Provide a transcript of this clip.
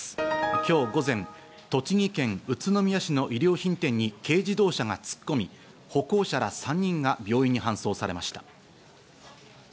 今日午前、栃木県宇都宮市の衣料品店に軽自動車が突っ込み、歩行者ら３人が病院に搬送されました。